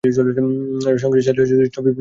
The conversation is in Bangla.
রাজা স্বয়ং সাজিলেন কৃষ্ণ, বিপিন সাজিলেন অর্জুন।